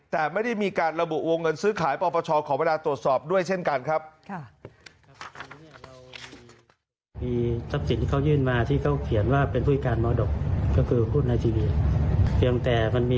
แต่ไม่ได้มีการระบุวงเงินซื้อขายปปชขอเวลาตรวจสอบด้วยเช่นกันครับ